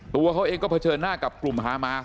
ตัวเขาเองก็เผชิญหน้ากับกลุ่มฮามา